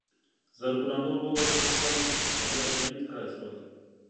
زرګونه نور ووژل شول او یا تبعید کړای شول.